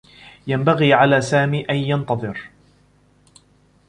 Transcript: ينبغي على سامي أن ينتظر.